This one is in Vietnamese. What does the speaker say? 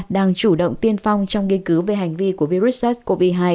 đang chủ động tiên phong trong nghiên cứu về hành vi của virus sars cov hai